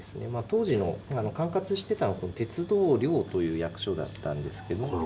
当時の管轄してたのが鉄道寮という役所だったんですけど。